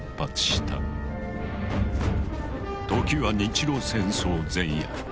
時は日露戦争前夜。